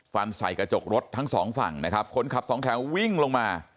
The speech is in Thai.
ฟันใส่กระจกรถทั้งสองฝั่งนะครับคนขับสองแถววิ่งลงมา